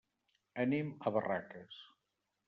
Anem a Barraques.